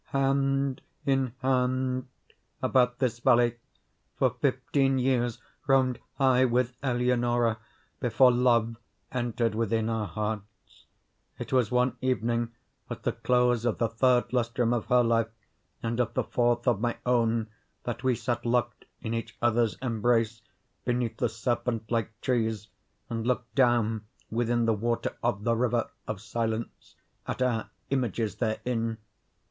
Hand in hand about this valley, for fifteen years, roamed I with Eleonora before Love entered within our hearts. It was one evening at the close of the third lustrum of her life, and of the fourth of my own, that we sat, locked in each other's embrace, beneath the serpent like trees, and looked down within the water of the River of Silence at our images therein.